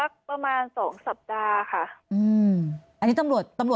ก็สักประมาณ๒สัปดาห์ค่ะ